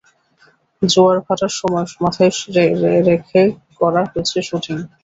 জোয়ার ভাটার সময় মাথায় রেখে করা হয়েছে শুটিং।